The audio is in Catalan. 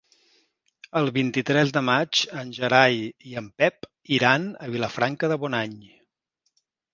El vint-i-tres de maig en Gerai i en Pep iran a Vilafranca de Bonany.